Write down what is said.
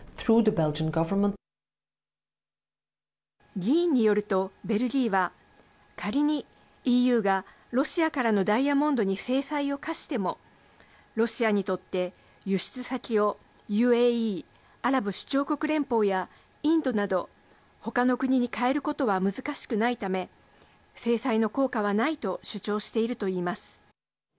議員によるとベルギーは仮にＥＵがロシアからのダイヤモンドに制裁を科してもロシアにとって輸出先をＵＡＥ＝アラブ首長国連邦やインドなど他の国に変えることは難しくないため制裁の効果はないと主張していると言います。